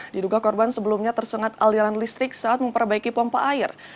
diduga korban sebelumnya tersengat aliran listrik saat memperbaiki pompa air